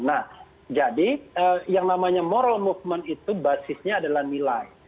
nah jadi yang namanya moral movement itu basisnya adalah nilai